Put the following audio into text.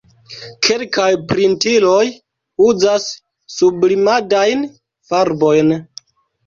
Kelkaj printiloj uzas sublimadajn farbojn.